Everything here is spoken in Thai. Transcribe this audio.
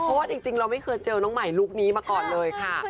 เพราะว่าจริงเราไม่เคยเจอน้องใหม่ลุคนี้มาก่อนเลยค่ะ